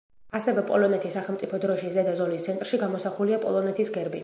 ასევე პოლონეთის სახელმწიფო დროშის ზედა ზოლის ცენტრში გამოსახულია პოლონეთის გერბი.